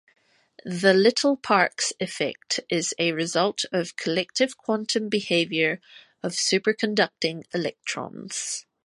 The Little-Parks effect is a result of collective quantum behavior of superconducting electrons.